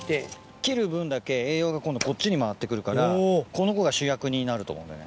切る分だけ栄養が今度こっちに回って来るからこの子が主役になると思うんだよね。